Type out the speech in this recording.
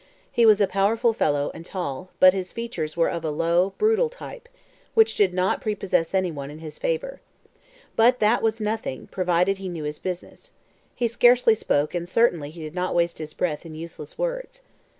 He was a powerful fellow, and tall, but his features were of a low, brutal type, which did not prepossess anyone in his favor. But that was nothing, provided he knew his business. He scarcely spoke, and certainly he did not waste his breath in useless words.